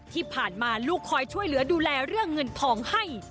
ที่ผ่านมาลูกคอยช่วยเหลือดูแลเรื่องเงินทองให้